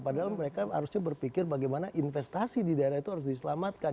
padahal mereka harusnya berpikir bagaimana investasi di daerah itu harus diselamatkan